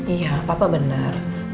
iya papa benar